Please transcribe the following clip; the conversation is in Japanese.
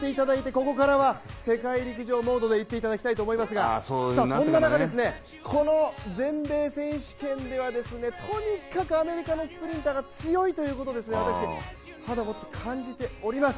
ここからは世界陸上モードでいっていただきたいと思いますがそんな中ですね、この全米選手権ではとにかくアメリカのスプリンターが強いということで、私、肌で感じております。